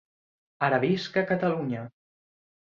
Ara visc a Catalunya.